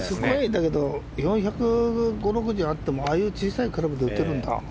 ４００の５０６０あってもあんなに小さいクラブで打てるんだ。